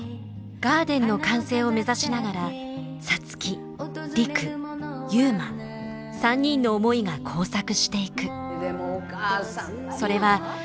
ガーデンの完成を目指しながら皐月陸悠磨３人の思いが交錯していく。